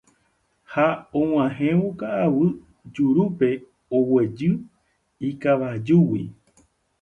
Ha og̃uahẽvo ka'aguy jurúpe oguejy ikavajúgui.